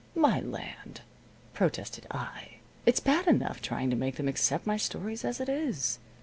"My land!" protested I. "It's bad enough trying to make them accept my stories as it is.